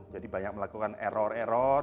jadi banyak melakukan error error